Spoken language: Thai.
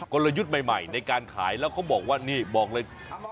ลยุทธ์ใหม่ในการขายแล้วเขาบอกว่านี่บอกเลย